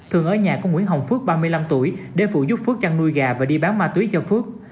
thường ở nhà của nguyễn hồng phước ba mươi năm tuổi để phụ giúp phước chăn nuôi gà và đi bán ma túy cho phước